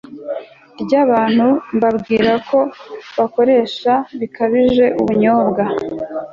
ryabantu mbabwira ko bakoresha bikabije ubunyobwa